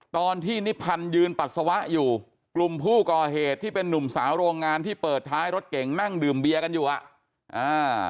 ตอนที่นิพันธ์ยืนปัสสาวะอยู่กลุ่มผู้ก่อเหตุที่เป็นนุ่มสาวโรงงานที่เปิดท้ายรถเก่งนั่งดื่มเบียร์กันอยู่อ่ะอ่า